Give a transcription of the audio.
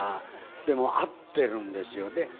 でも合ってるんですよね。